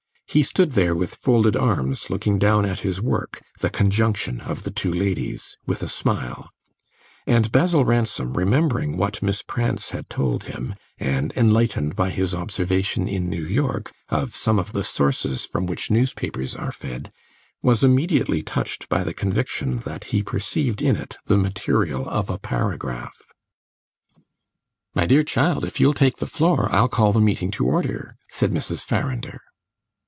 He stood there with folded arms, looking down at his work, the conjunction of the two ladies, with a smile; and Basil Ransom, remembering what Miss Prance had told him, and enlightened by his observation in New York of some of the sources from which newspapers are fed, was immediately touched by the conviction that he perceived in it the material of a paragraph. "My dear child, if you'll take the floor, I'll call the meeting to order," said Mrs. Farrinder.